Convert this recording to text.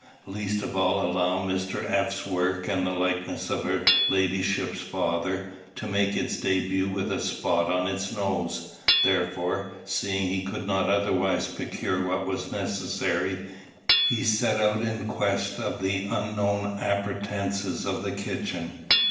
Least of all allow Mr. F.'s work, and the likeness of her ladyship's father, to make its debut with a spot on its nose; therefore, seeing he could not otherwise procure what was necessary, he set out in quest of the unknown appurtenances of the kitchen.